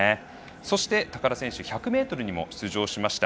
そして、高田選手１００ｍにも出場しました。